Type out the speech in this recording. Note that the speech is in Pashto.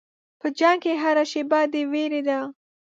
په جنګ کې هره شېبه د وېرې ده.